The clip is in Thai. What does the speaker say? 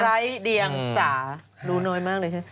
ไร้เดียงสารู้น้อยมากเลยใช่ไหม